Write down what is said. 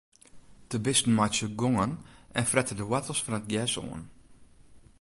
De bisten meitsje gongen en frette de woartels fan it gjers oan.